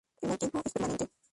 El mal tiempo es permanente.